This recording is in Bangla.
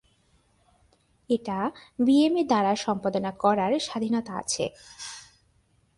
এটা বিএমএ দ্বারা সম্পাদনা করার স্বাধীনতা আছে।